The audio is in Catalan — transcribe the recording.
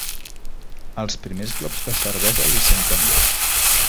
Els primers glops de cervesa li senten bé.